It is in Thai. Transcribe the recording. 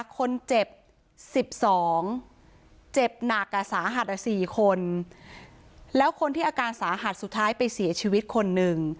คนเจ็บ๑๒เจ็บหนักสาหัส๔คนแล้วคนที่อาการสาหัสสุดท้ายไปเสียชีวิตคนหนึ่ง